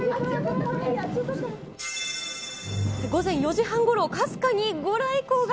午前４時半ごろ、かすかに御来光が。